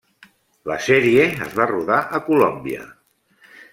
La sèrie es va rodar a Colòmbia.